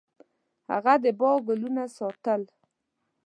هغه د باغ ګلونه ساتل.